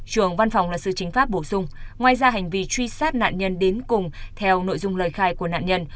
trường văn phòng luật sư chính pháp bổ sung ngoài ra hành vi truy sát nạn nhân đến cùng theo nội dung lời khai của nạn nhân